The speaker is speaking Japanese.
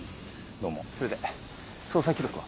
どうもそれで捜査記録は？